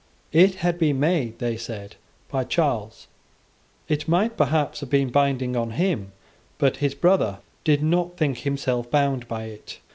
It had been made, they said, by Charles: it might, perhaps, have been binding on him; but his brother did not think himself bound by it.